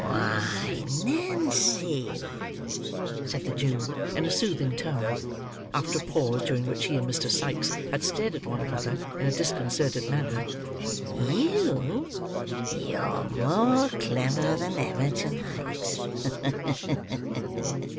"Why, Nancy!" said the Jew, in a soothing tone; after a pause, during which he and Mr. Sikes had stared at one another in a disconcerted manner; "you,—you're more clever than ever to night.